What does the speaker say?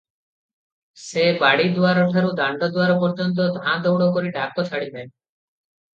ସେ ବାଡ଼ି ଦୁଆରଠାରୁ ଦାଣ୍ତ ଦୁଆର ପର୍ଯ୍ୟନ୍ତ ଧାଁଦଉଡ଼ କରି ଡାକ ଛାଡ଼ିଥାଏ ।